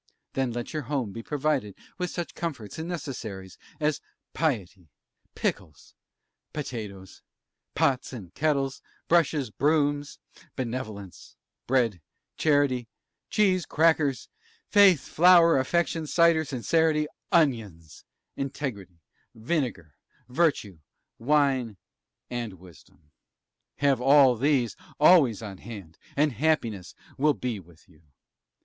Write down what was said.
Then let your home be provided with such comforts and necessaries as piety, pickles, potatoes, pots and kettles, brushes, brooms, benevolence, bread, charity, cheese, crackers, faith, flour, affection, cider, sincerity, onions, integrity, vinegar, virtue, wine, and wisdom. Have all these always on hand, and happiness will be with you.